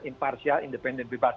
impartial independen bebas